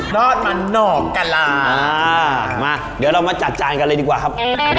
รอดมาหนอกกะลามาเดี๋ยวเรามาจัดจานกันเลยดีกว่าครับ